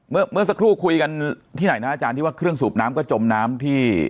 เมื่อเมื่อสักครู่คุยกันที่ไหนนะอาจารย์ที่ว่าเครื่องสูบน้ำก็จมน้ำที่